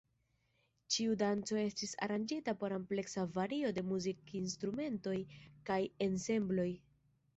Ĉiu danco estis aranĝita por ampleksa vario de muzikinstrumentoj kaj ensembloj.